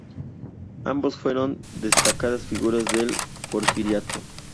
Ambos fueron destacadas figuras del porfiriato.